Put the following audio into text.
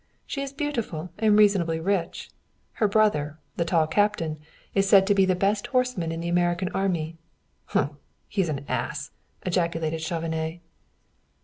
She is beautiful and reasonably rich. Her brother, the tall captain, is said to be the best horseman in the American army." "Humph! He is an ass," ejaculated Chauvenet.